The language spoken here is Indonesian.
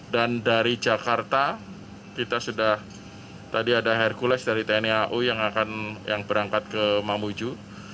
dan dari jakarta kita sudah tadi ada hercules dari tni au yang akan berangkat ke mamuju